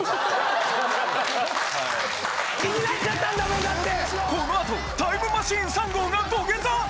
気になっちゃったんだもんだって！